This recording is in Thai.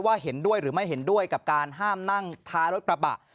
เห็นด้วยหรือไม่เห็นด้วยกับการห้ามนั่งท้ายรถกระบะ